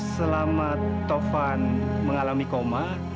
selama taufan mengalami koma